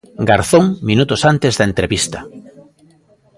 Garzón, minutos antes da entrevista.